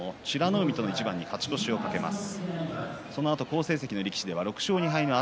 海との一番に勝ち越しを懸けます。